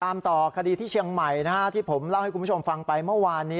ตามต่อคดีที่เชียงใหม่ที่ผมเล่าให้คุณผู้ชมฟังไปเมื่อวานนี้